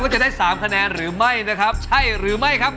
ก็คือเพลง